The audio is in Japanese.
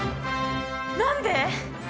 何で？